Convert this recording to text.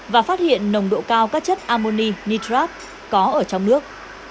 và phát hiện nồng độ cao các chất ammoni nitrate có ở trong nước